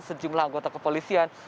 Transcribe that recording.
sejumlah anggota kepolisian